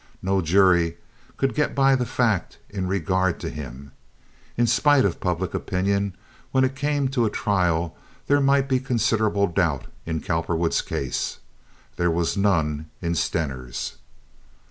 No jury could get by the fact in regard to him. In spite of public opinion, when it came to a trial there might be considerable doubt in Cowperwood's case. There was none in Stener's.